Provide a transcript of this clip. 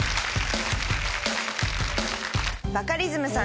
バカリズムさん